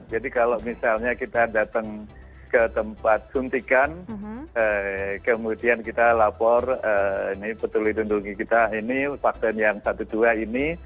kalau misalnya kita datang ke tempat suntikan kemudian kita lapor ini peduli lindungi kita ini vaksin yang satu dua ini